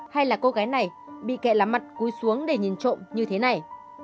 hay là cô gái này bị kẹ lắm mặt cuối xuống để nhìn trộm như thế này